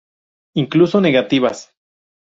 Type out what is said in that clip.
Incluso negativas.